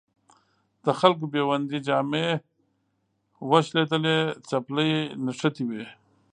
د خلکو بیوندي جامې او شلېدلې څپلۍ نښې وې.